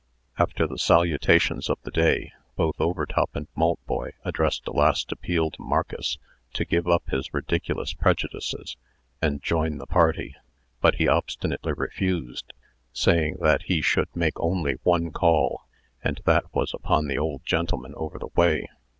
After the salutations of the day, both Overtop and Maltboy addressed a last appeal to Marcus to give up his ridiculous prejudices, and join the party; but he obstinately refused, saying that he should make only one call, and that was upon the old gentleman over the way.